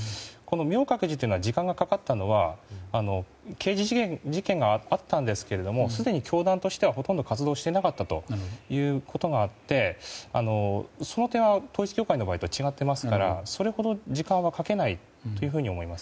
明覚寺が時間がかかったのは刑事事件があったんですがすでに教団としては、ほとんど活動していなかったということがあってその点は統一教会とは違ってますからその辺は時間をかけないと思います。